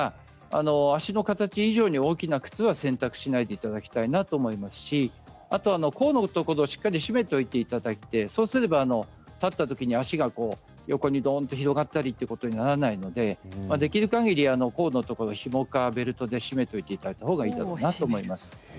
足の形以上に大きな靴は選択しないでいただきたいと思いますし甲のところをしっかり締めていただいてそうすれば立ったときに足が横にどんと広がったりということにはならないのでできるかぎり甲のところひもかベルトで締めていただければと思います。